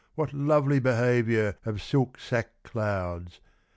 what lovely behaviour Of silk sack clouds!